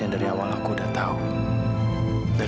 tapi sadarnya aku punya odong odong sebanyaknu